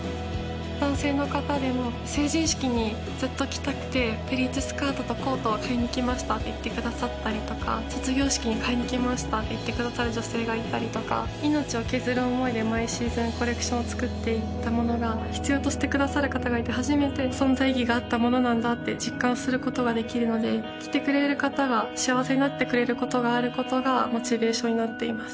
男性の方でも成人式にずっと着たくてプリーツスカートとコートを買いに来ましたって言ってくださったりとか卒業式に買いに来ましたって言ってくださる女性がいたりとか命を削る思いで毎シーズンコレクションを作っていったものが必要としてくださる方がいて初めて存在意義があったものなんだって実感することができるので着てくれる方が幸せになってくれることがあることがモチベーションになっています